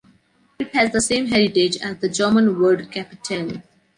It has the same heritage as the German word “Kapitell”.